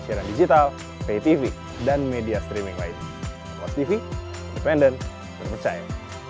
siaran digital ptv dan media streaming lain tv pendek terpercaya